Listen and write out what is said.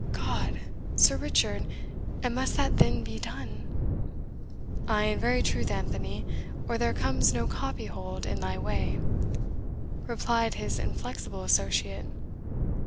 "God! Sir Richard, and must that then be done?" "Ay, in very truth, Anthony, or there comes no copyhold in thy way," replied his inflexible associate.